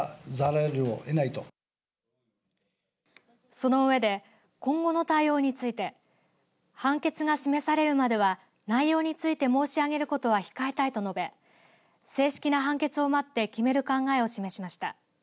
その上で今後の対応について判決が示されるまでは内容について申し上げることは控えたいと述べ正式な判決を待って決める考えを示しました。